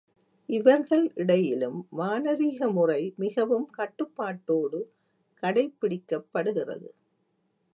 இவர்களிடையிலும் மானரீகமுறை மிகவும் கட்டுப்பாட்டோடு கடைப்பிடிக்கப்படுகிறது.